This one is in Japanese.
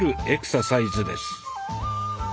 エクササイズです。